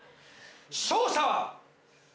勝者は。